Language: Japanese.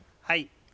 はい。